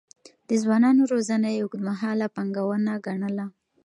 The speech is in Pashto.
د ځوانانو روزنه يې اوږدمهاله پانګونه ګڼله.